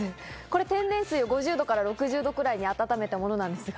天然水を５０度から６０度くらいに温めたものなんです。